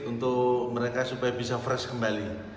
untuk mereka supaya bisa fresh kembali